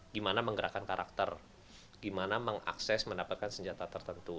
gimana menggerakkan karakter gimana mengakses mendapatkan senjata tertentu